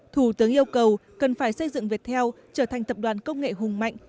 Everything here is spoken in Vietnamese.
thủ tướng yêu cầu cần phải xây dựng việt heo trở thành tập đoàn công nghệ hùng mạnh